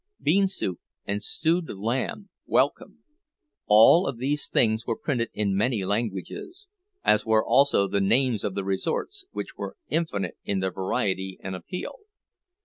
"Bean soup and stewed lamb. Welcome." All of these things were printed in many languages, as were also the names of the resorts, which were infinite in their variety and appeal.